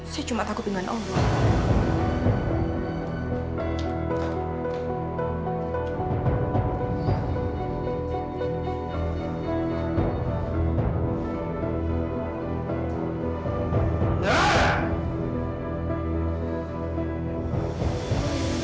saya cuma takut dengan allah